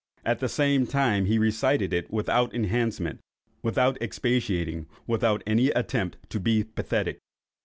At the same time he recited it without enhancement, without expatiating, without any attempt to be pathetic.